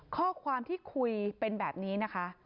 ข้อความที่คุยเป็นแบบนี้นะคะ